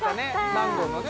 マンゴーのね